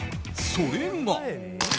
それが。